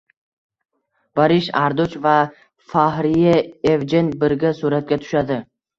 Barish Arduch va Fahriye Evjen birga suratga tushadi